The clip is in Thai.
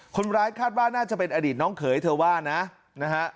คนร้ายคาดว่าน่าจะเป็นอดีตน้องเขยเธอว่านะนะฮะ